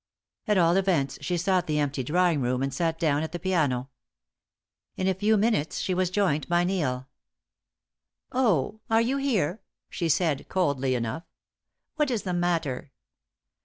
At all events she sought the empty drawing room and sat down at the piano. In a few minutes she was joined by Neil. "Oh! are you here?" she said, coldly enough. "What is the matter?"